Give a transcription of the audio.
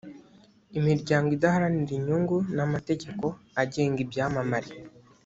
imiryango idaharanira inyungu n amategeko agenga ibyamamare